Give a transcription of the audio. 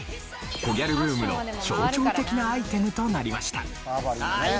コギャルブームの象徴的なアイテムとなりました。